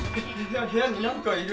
部屋になんかいる！